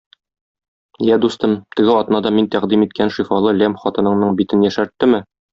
Я, дустым, теге атнада мин тәкъдим иткән шифалы ләм хатыныңның битен яшәрттеме?